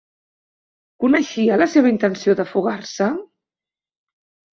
Coneixia la seva intenció de fugar-se?